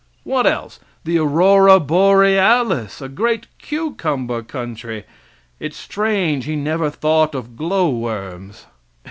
What else? The aurora borealis! A great cucumber country! It's strange He never thought of glow worms!